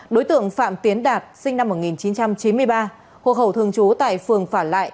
đối tượng phạm tiến đạt sinh năm một nghìn chín trăm chín mươi ba hộ khẩu thường trú tại phường phả lại